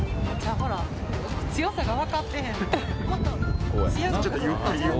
ほら、強さが分かってへんのちゃう？